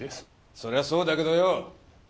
そりゃそうだけどよ！